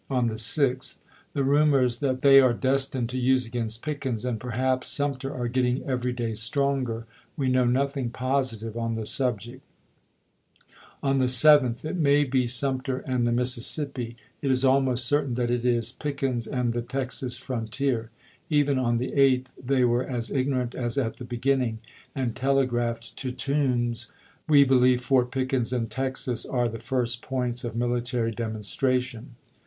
On the 6th: "The rumors that they are destined to use against Pickens, and perhaps Sumter, are getting every ibid.,^^^ day stronger. We know nothing positive on the subject." On the 7th: "It may be Sumter and April6,1861 MS FORT PICKENS REENFOECED 3 the Mississippi; it is almost certain that it is chap.i. Pickens and the Texas frontier." Even on the 8th The.com they were as ignorant as at the beginning, and toToombs, telegi aphed to Toombs: "We believe Fort Pickens ^"ms^^"" and Texas are the first points of military demon Apriis.iki. stration."